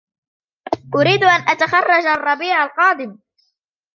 أريد أن أتخرج الربيع القادم.